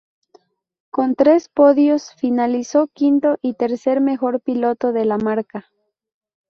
Con tres podios, finalizó quinto y tercer mejor piloto de la marca.